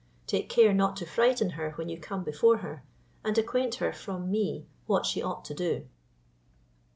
Take care not to frighten her when you come before her, and acquaint her from me what she ought to do."